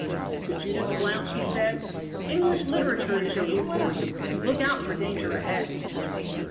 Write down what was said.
To Judith Blount she said: "English literature is your weak point. Look out for danger ahead."